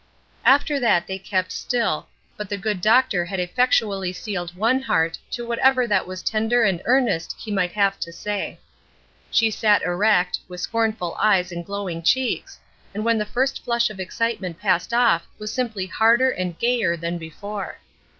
After that they kept still; but the good doctor had effectually sealed one heart to whatever that was tender and earnest he might have to say. She sat erect, with scornful eyes and glowing cheeks, and when the first flush of excitement passed off was simply harder and gayer than before.